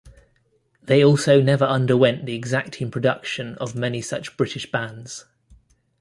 They also never underwent the exacting production of many such British bands.